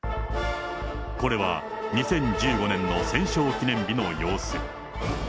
これは２０１５年の戦勝記念日の様子。